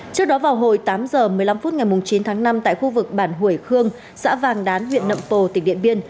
trước đó vào hồi tám h một mươi năm phút ngày chín tháng năm tại khu vực bản hủy khương xã vàng đán huyện nậm pồ tỉnh điện biên